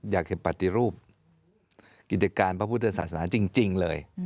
อยากจะปฏิรูปกิจการพระพุทธศาสนาจริงเลย